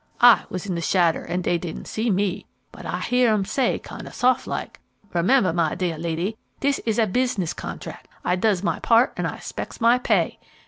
I was in de shadder and dey didn' see me, but I heah 'im say, kind o' soft like, 'Remember, my deah lady, dis is a biz'ness contract; I does my part, an' I 'spects my pay.'